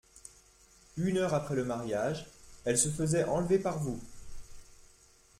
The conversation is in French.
Une heure après le mariage, elle se faisait enlever par vous.